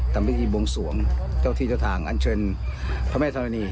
ทำพิธีบวงสวงเจ้าที่เจ้าทางอันเชิญพระแม่ธรณี